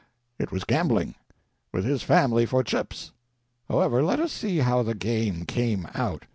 It was gambling—with his family for "chips." However let us see how the game came out.